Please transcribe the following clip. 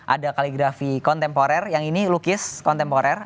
ada kaligrafi kontemporer yang ini lukis kontemporer